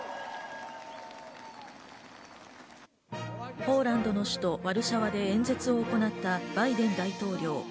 ポーランドの首都ワルシャワで演説を行ったバイデン大統領。